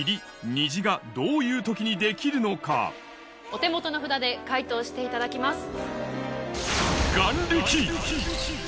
お手元の札で解答していただきます。